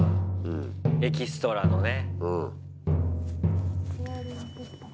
エキストラのね。